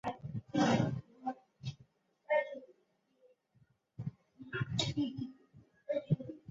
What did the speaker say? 六齿猴面蟹为沙蟹科猴面蟹属的动物。